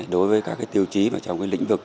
đối với các tiêu chí trong lĩnh vực